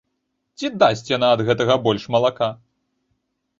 Ці дасць яна ад гэтага больш малака?